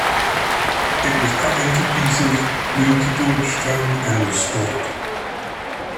It was cut into pieces, moved to Georgetown, and restored.